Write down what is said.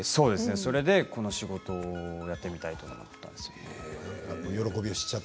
それでこの仕事をやってみたいと思ったんですよね。